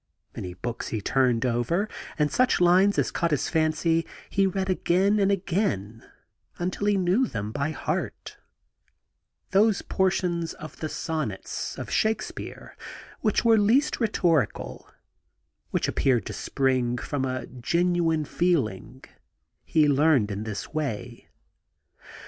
Many books he turned over, and such lines as caught his foncy he read again and again until he knew them by heart Those portions of the Sonnets of Shakespeare which were least rhetorical, which appeared to spring from a genuine feeling, he learned in this way.